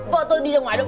vợ tôi đi ra ngoài đâu